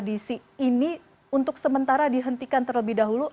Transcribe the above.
kondisi ini untuk sementara dihentikan terlebih dahulu